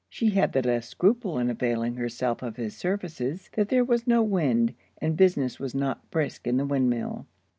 She had the less scruple in availing herself of his services, that there was no wind, and business was not brisk in the windmill.